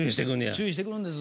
注意してくるんです。